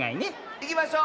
いきましょう！